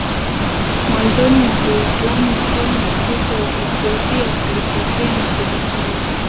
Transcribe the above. mwanzoni mwa Uislamu Mfalme Mkristo wa Ethiopia alipokea na kuhifadhi